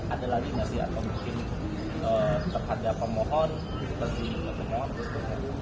ada lagi nasihat mungkin terhadap pemohon ketemui pemohon bersebut sebut